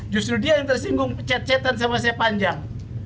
justru dia yang tersinggung chat chatan sama saya panjang